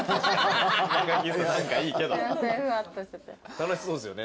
楽しそうですよね